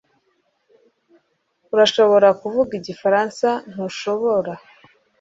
Urashobora kuvuga igifaransa, ntushobora?